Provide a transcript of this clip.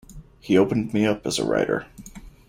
He opened me up as a writer.